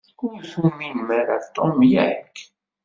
Ur tuminem ara Tom, yak?